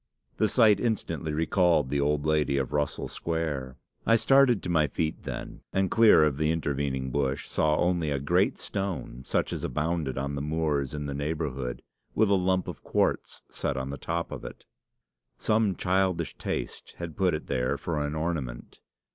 The sight instantly recalled the old lady of Russell Square. I started to my feet, and then, clear of the intervening bush, saw only a great stone such as abounded on the moors in the neighbourhood, with a lump of quartz set on the top of it. Some childish taste had put it there for an ornament.